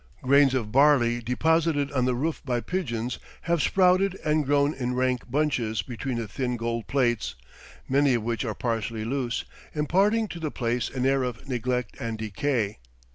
Grains of barley deposited on the roof by pigeons have sprouted and grown in rank bunches between the thin gold plates, many of which are partially loose, imparting to the place an air of neglect and decay.